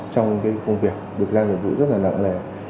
trong cái công việc được ra nhiệm vụ rất là lợn lẻ